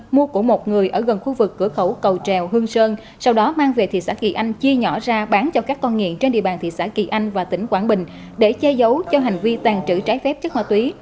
mua của một người ở gần khu vực cửa khẩu cầu treo hương sơn sau đó mang về thị xã kỳ anh chia nhỏ ra bán cho các con nghiện trên địa bàn thị xã kỳ anh và tỉnh quảng bình để che giấu cho hành vi tàn trữ trái phép chất ma túy